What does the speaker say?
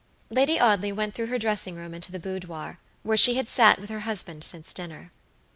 Lady Audley went through her dressing room into the boudoir, where she had sat with her husband since dinner.